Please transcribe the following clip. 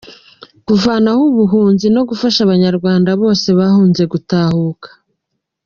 Kuvanaho ubuhunzi no gufasha abanyarwanda bose bahunze gutahuka